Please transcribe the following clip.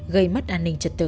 gây mất an ninh trật tự